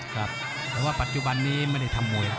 ครับแต่ว่าปัจจุบันนี้ไม่ได้ทำมวย